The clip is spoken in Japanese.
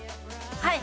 はい。